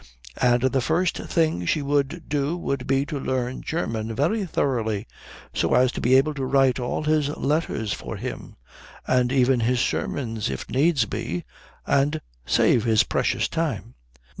And the first thing she would do would be to learn German very thoroughly, so as to be able to write all his letters for him, and even his sermons if needs be, and save his precious time.